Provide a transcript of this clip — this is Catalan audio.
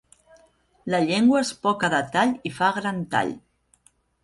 La llengua és poca de tall i fa gran tall.